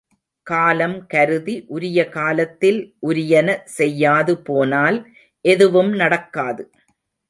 காலம் கருதி உரிய காலத்தில் உரியன செய்யாது போனால் எதுவும் நடக்காது.